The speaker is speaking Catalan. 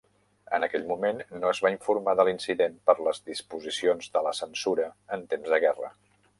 En aquell moment no es va informar de l'incident per les disposicions de la censura en temps de guerra.